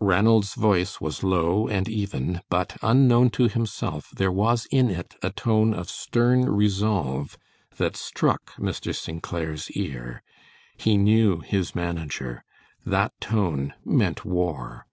Ranald's voice was low and even, but unknown to himself there was in it a tone of stern resolve that struck Mr. St. Clair's ear. He knew his manager. That tone meant war.